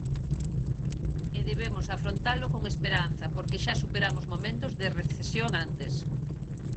E debemos afrontalo con esperanza porque xa superamos momentos de recesión antes.